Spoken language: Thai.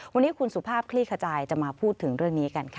วันนี้คุณสุภาพคลี่ขจายจะมาพูดถึงเรื่องนี้กันค่ะ